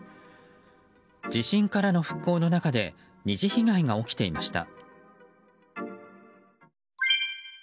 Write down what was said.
地震からの復興の中で２次被害が起きていました。